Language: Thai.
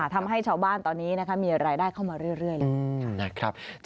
ทำให้ชาวบ้านตอนนี้มีรายได้เข้ามาเรื่อยเลย